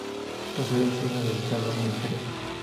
Posteriores son las del salón inferior.